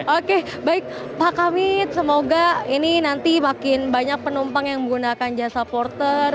oke baik pak kamit semoga ini nanti makin banyak penumpang yang menggunakan jasa porter